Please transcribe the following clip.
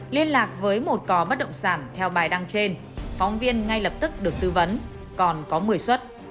liên lạc với một cò bất động sản theo bài đăng trên phóng viên ngay lập tức được tư vấn còn có một mươi xuất